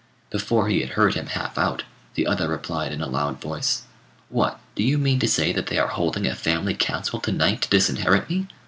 Before he had heard him half out, the other replied in a loud voice "What, do you mean to say that they are holding a family council to night to disinherit me?